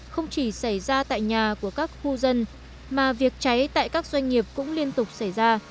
không chỉ xảy ra tại nhà của các khu dân mà việc cháy tại các doanh nghiệp cũng liên tục xảy ra